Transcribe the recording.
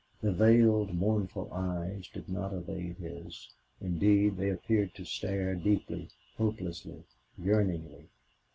The veiled, mournful eyes did not evade his; indeed, they appeared to stare deeply, hopelessly, yearningly.